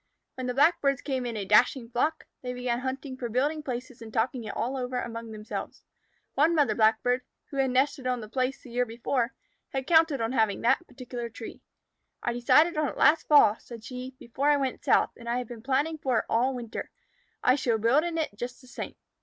When the Blackbirds came in a dashing flock, they began hunting for building places and talking it all over among themselves. One mother Blackbird, who had nested on the place the year before, had counted on having that particular tree. "I decided on it last fall," said she, "before I went South, and I have been planning for it all winter. I shall build in it just the same."